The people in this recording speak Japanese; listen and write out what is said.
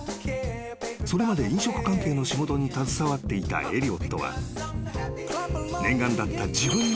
それまで飲食関係の仕事に携わっていたエリオットは念願だった自分の］